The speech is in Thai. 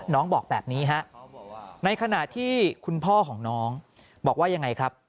น้องบอกแบบนี้ฮะในขณะที่คุณพ่อของน้องบอกว่ายังไงครับ